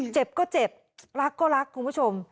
เจ็บก็เจ็บรักก็รักคุณผู้ชม